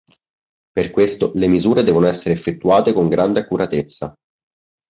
Per questo le misure devono essere effettuate con grande accuratezza.